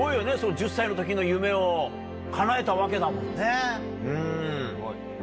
１０歳の時の夢をかなえたわけだもんね。